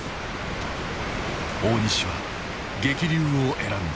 大西は激流を選んだ。